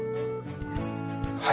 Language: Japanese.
はい。